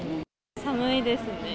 寒いですね。